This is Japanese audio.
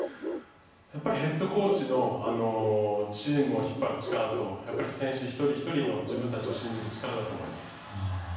ヘッドコーチのチームを引っ張る力と選手一人ひとりの自分たちを信じる力だと思います。